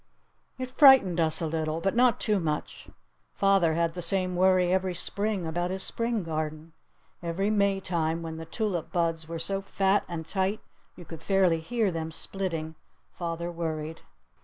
It frightened us a little. But not too much. Father had the same worry every Spring about his Spring garden. Every Maytime when the tulip buds were so fat and tight you could fairly hear them splitting, father worried.